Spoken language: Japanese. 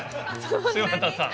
柴田さん。